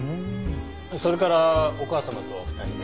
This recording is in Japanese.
それからお母様とお二人で？